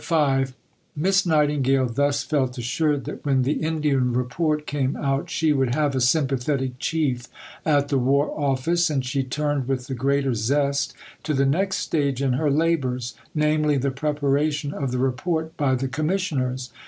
V Miss Nightingale thus felt assured that when the Indian Report came out she would have a sympathetic chief at the War Office, and she turned with the greater zest to the next stage in her labours; namely, the preparation of the Report by the Commissioners.